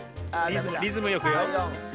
リズムよくよ。